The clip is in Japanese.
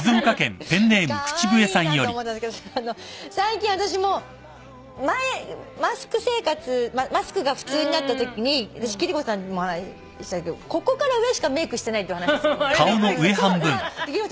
カワイイなと思ったんですけど最近私もマスク生活マスクが普通になったときに私貴理子さんにも話したんだけどここから上しかメイクしてないっていう話。あれびっくりした。